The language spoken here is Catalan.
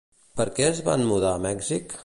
Per què es van mudar a Mèxic?